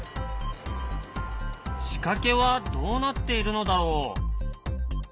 しかけはどうなっているのだろう？